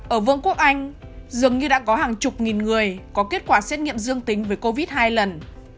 ở vương quốc anh dường như đã có hàng chục nghìn người có kết quả xét nghiệm dương tính với covid một mươi chín hai lần